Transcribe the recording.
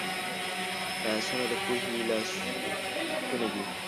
لاسونه د پوهې لاسونه دي